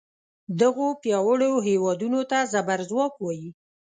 دغو پیاوړو هیوادونو ته زبر ځواک وایي.